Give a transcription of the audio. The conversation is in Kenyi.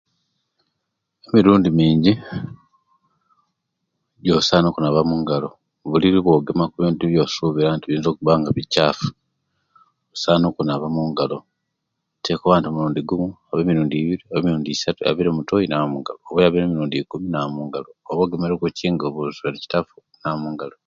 Emirundi mingi ejosana okunaba omungalo buli obwogemaku ekintu ebyosubira okuba nti biyinza okuba nga bicafu osana okunaba omungalo tikoba nti mulundi gumu oba emirundi ibiri oba isatu obwyabire mutoyi nonaba mungalo oba oyabite emirundi ikumi onaba mungalo